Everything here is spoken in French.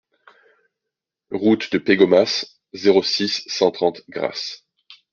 Route de Pégomas, zéro six, cent trente Grasse